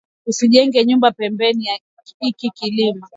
Usijenge nyumba pembeni ya iki kilima